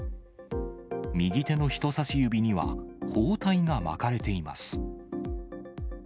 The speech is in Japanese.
右手の人さし指には、包帯が巻かれています。